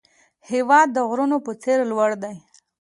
هېواد د غرونو په څېر لوړ دی.